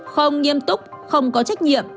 không nghiêm túc không có trách nhiệm